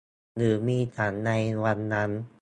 หรือมีฉันในวันนั้น